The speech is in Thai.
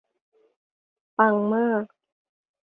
ปังมาก